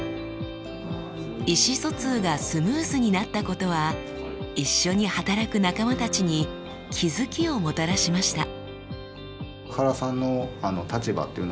意思疎通がスムーズになったことは一緒に働く仲間たちに気付きをもたらしました。